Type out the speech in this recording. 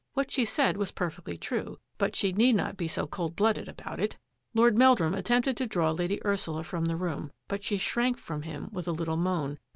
What she said was perfectly true, but she need not be so cold blooded about it. Lord Meldrum attempted to draw Lady Ursula from the room, but she shrank from him with a lit tle moan.